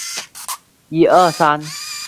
它还关注耶稣是否是一个拿细耳人问题。